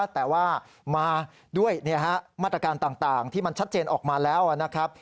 แต่ว่ามาด้วยมาตรการต่างที่มันชัดเจนออกมาแล้วนะครับ